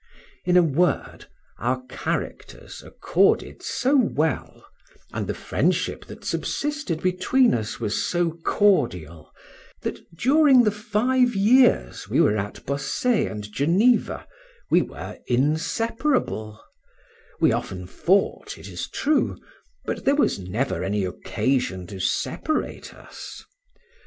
In a word, our characters accorded so well, and the friendship that subsisted between us was so cordial, that during the five years we were at Bossey and Geneva we were inseparable: we often fought, it is true, but there never was any occasion to separate us.